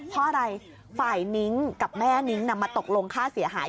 เพราะอะไรฝ่ายนิ้งกับแม่นิ้งนำมาตกลงค่าเสียหาย